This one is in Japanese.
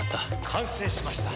完成しました。